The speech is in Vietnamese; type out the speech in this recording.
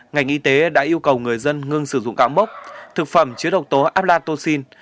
ngành y tế đã yêu cầu người dân ngưng sử dụng gạo mốc thực phẩm chứa độc tố ablatocin